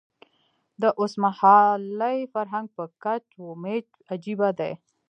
د اوسمهالي فرهنګ په کچ و میچ عجیبه دی.